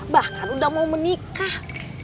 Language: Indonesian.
bahkan udah mau menikah